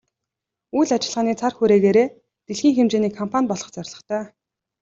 Үйл ажиллагааны цар хүрээгээрээ дэлхийн хэмжээний компани болох зорилготой.